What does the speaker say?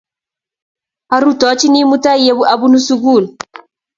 Arutochin mutai ye abunu sugul.